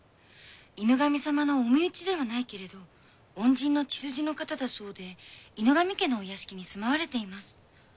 犬神様のお身内ではないけれど恩人の血筋の方だそうで犬神家のお屋敷に住まわれています。